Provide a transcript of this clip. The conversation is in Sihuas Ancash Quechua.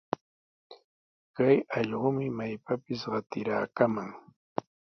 Kay allqumi maypapis qatiraakaman.